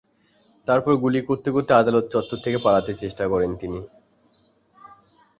তারপর গুলি করতে করতে আদালত চত্বর থেকে পালাতে চেষ্টা করেন তিনি।